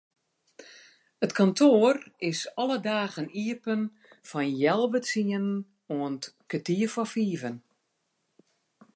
It kantoar is alle dagen iepen fan healwei tsienen oant kertier foar fiven.